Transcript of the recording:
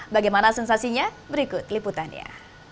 bagaimana sensasinya berikut liputannya